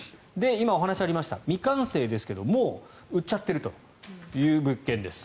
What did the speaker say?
今、お話にありました未完成ですけどもう売っちゃっているという物件です。